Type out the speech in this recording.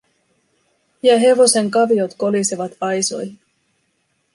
Ja hevosen kaviot kolisevat aisoihin.